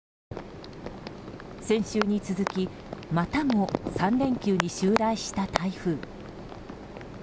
先週に続きまたも３連休に襲来した台風。